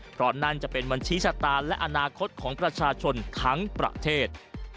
เพราะนั่นจะเป็นบัญชีชะตาและอนาคตของประชาชนทั้งประเทศ